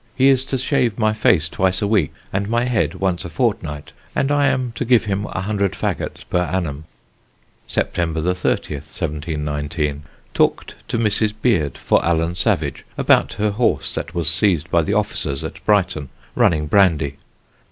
He is to shave my face twice a week, and my head once a fortnight, and I am to give him 100 faggots per annum. "September 30th, 1719. Talked to Mrs. Beard, for Allan Savage, about her horse that was seized by the officers at Brighton running brandy.